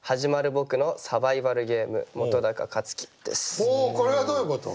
おこれはどういうこと？